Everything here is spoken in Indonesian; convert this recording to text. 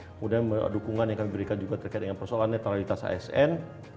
kemudian dukungan yang kami berikan juga terkait dengan persoalan netralitas asn